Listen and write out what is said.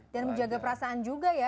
dan menjaga perasaan juga ya